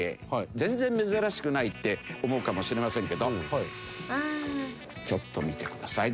全然珍しくないって思うかもしれませんけどちょっと見てください。